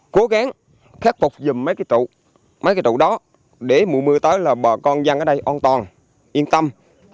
cố gắng khắc phục dùng mấy cái trụ mấy cái trụ đó để mùa mưa tới là bà con dân ở đây an toàn yên tâm